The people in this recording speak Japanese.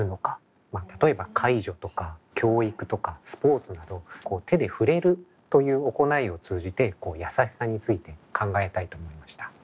例えば介助とか教育とかスポーツなどこう手でふれるという行いを通じてやさしさについて考えたいと思いました。